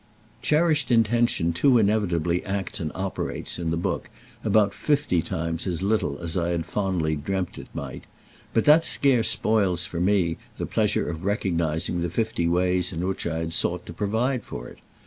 Cherished intention too inevitably acts and operates, in the book, about fifty times as little as I had fondly dreamt it might; but that scarce spoils for me the pleasure of recognising the fifty ways in which I had sought to provide for it.